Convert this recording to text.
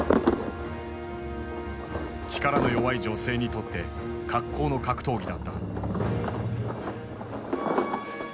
力の弱い女性にとって格好の格闘技だった。